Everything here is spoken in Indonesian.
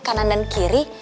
kanan dan kiri